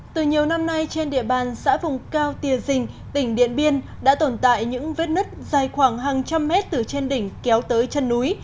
từ nhiều năm nay trên địa bàn xã vùng cao tìa dình tỉnh điện biên đã tồn tại những vết nứt dài khoảng hàng trăm mét từ trên đỉnh kéo tới chân núi